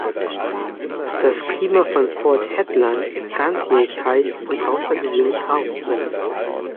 Das Klima von Port Hedland ist ganzjährig heiß und außergewöhnlich rau.